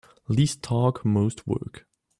Least talk most work.